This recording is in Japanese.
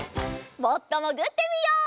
もっともぐってみよう。